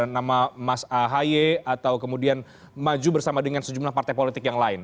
nama mas ahy atau kemudian maju bersama dengan sejumlah partai politik yang lain